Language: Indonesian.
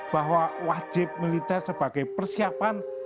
bahwa wajib militer sebagai persiapan